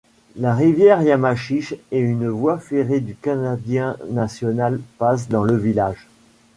La rivière Yamachiche et une voie ferrée du Canadien National passent dans le village.